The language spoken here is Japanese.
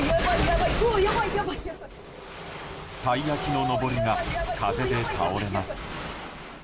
たい焼きの、のぼりが風で倒れます。